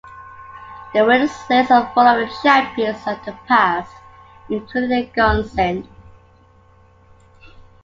The winners list is full of champions of the past, including Gunsynd.